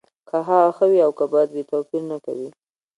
که هغه ښه وي او که بد وي توپیر نه کوي